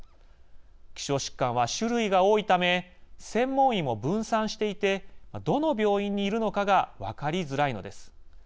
希少疾患は種類が多いため専門医も分散していてどの病院にいるのかが分かりづらいのです。